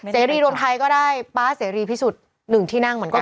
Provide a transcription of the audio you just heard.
เสรีโรงไทยก็ได้ปาร์ตเสรีพิสุทธิ์หนึ่งที่นั่งเหมือนกัน